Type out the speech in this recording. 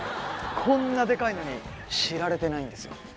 こんなデカいのに知られてないんですよ